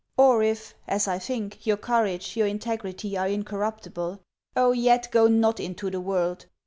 Or if, as I think, your courage, your integrity, are incorruptible. Oh yet, go not into the world!